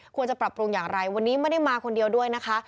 ควรจะปรับปรุงอย่างไรวันนี้ไม่ได้มาคนเดียวด้วยนะคะ